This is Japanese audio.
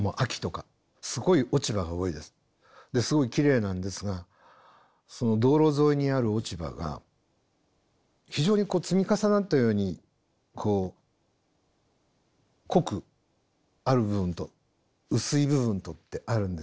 ですごいきれいなんですが道路沿いにある落ち葉が非常に積み重なったようにこう濃くある部分と薄い部分とってあるんですよね。